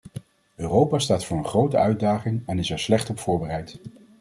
Europa staat voor een grote uitdaging en is er slecht op voorbereid.